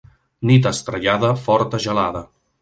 Nit estrellada, forta gelada.